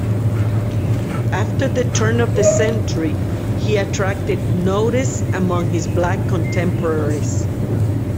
After the turn of the century, he attracted notice among his black contemporaries.